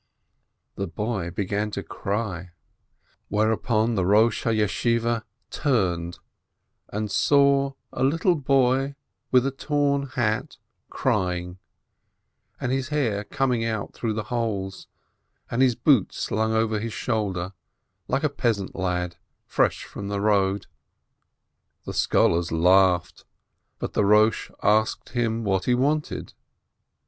The boy began to cry, whereupon the head of the Academy turned, and saw a little boy with a torn hat, crying, and his hair coming out through the holes, and his boots slung over his shoulder, like a peasant lad fresh from the road. The scholars laughed, but the Eosh ha Yeshiveh asked him what he wanted.